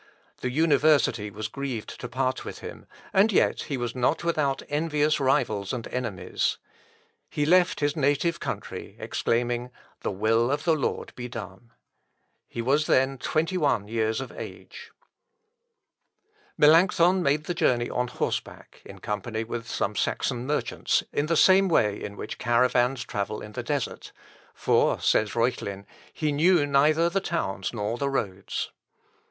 The university was grieved to part with him, and yet he was not without envious rivals and enemies. He left his native country, exclaiming, "The will of the Lord be done." He was then twenty one years of age. "Meum opus et meum solatium." (Corp. Ref., i, 33.) Melancthon made the journey on horseback, in company with some Saxon merchants, in the same way in which caravans travel in the desert; for, says Reuchlin, he knew neither the towns nor the roads.